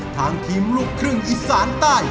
ทางทีมลูกครึ่งอีสานใต้